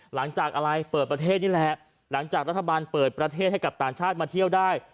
หลังจากอะไรเปิดประเทศนี่แหละหลังจากรัฐบาลเปิดประเทศให้กับต่างชาติมาเที่ยวได้